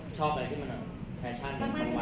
ชอบอะไรที่มันแบบแฟชั่น